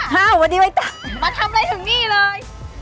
สวัสดีค่ะมาทำอะไรถึงนี่เลยวันดีว้ายตั๊ะ